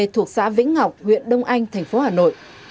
thuộc xã vĩnh ngọc huyện đông anh thành phố hà nội